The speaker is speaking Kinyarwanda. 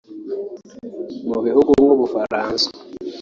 mu bihugu nk’u Bufaransa